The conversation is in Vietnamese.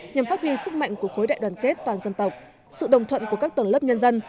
nhằm phát huy sức mạnh của khối đại đoàn kết toàn dân tộc sự đồng thuận của các tầng lớp nhân dân